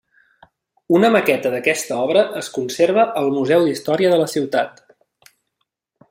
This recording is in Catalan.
Una maqueta d'aquesta obra es conserva al Museu d'Història de la Ciutat.